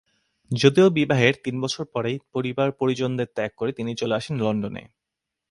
যদিও বিবাহের তিন বছর পরেই পরিবার-পরিজনদের ত্যাগ করে তিনি চলে আসেন লন্ডনে।